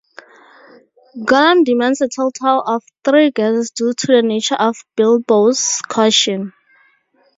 Gollum demands a total of three guesses due to the nature of Bilbo's question.